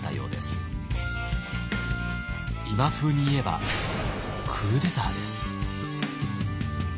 今風に言えばクーデターです。